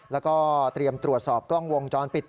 แล้วก็เตรียมตรวจสอบกล้องวงจรปิด